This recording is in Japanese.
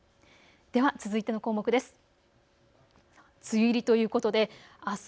では、続いての項目です。